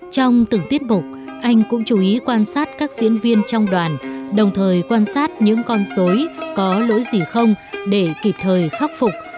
trong từng tiết mục anh cũng chú ý quan sát các diễn viên trong đoàn đồng thời quan sát những con số có lỗi gì không để kịp thời khắc phục